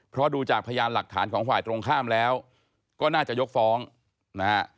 เพราะดูจากพยานหลักฐานของฝ่ายตรงข้ามแล้วก็น่าจะยกฟ้องนะฮะ